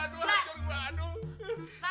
aduh ajar gua aduh